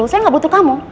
saya gak butuh kamu